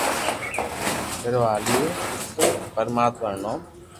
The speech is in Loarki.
ڀيرو ھالئي ھاليو تو صرف پرماتما رو نوم بس